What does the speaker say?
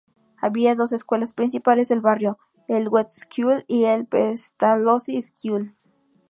Había dos escuelas principales del barrio, el "Goethe Schule" y el "Pestalozzi Schule".